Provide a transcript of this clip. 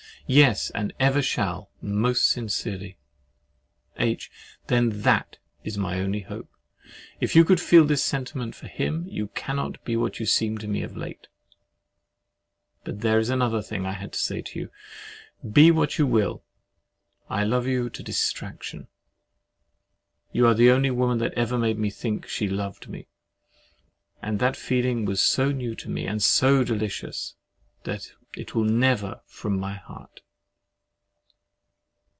Yes, and ever shall most sincerely. H. Then, THAT is my only hope. If you could feel this sentiment for him, you cannot be what you seem to me of late. But there is another thing I had to say—be what you will, I love you to distraction! You are the only woman that ever made me think she loved me, and that feeling was so new to me, and so delicious, that it "will never from my heart."